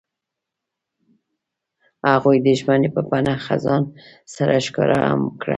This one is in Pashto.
هغوی د ژمنې په بڼه خزان سره ښکاره هم کړه.